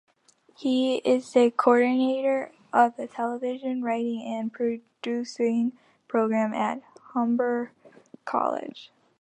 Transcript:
He is the coordinator of the Television Writing and Producing Program at Humber College.